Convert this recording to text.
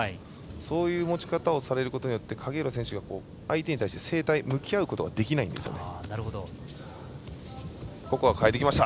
そういう持ち方をされることによって影浦選手が相手に対して正対向き合うことができないんですよね。